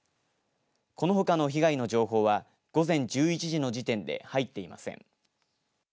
このほかの被害の情報は午前１１時の時点で入っていません。